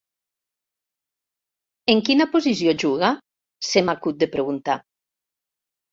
En quina posició juga? —se m'acut de preguntar.